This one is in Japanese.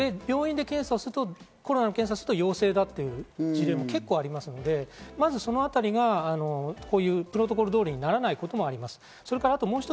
私のところで検査をすると、陽性だという事例も結構ありますので、そのあたりがこのプロトコル通りにならない場合もあります。